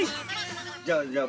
じゃあじゃあ。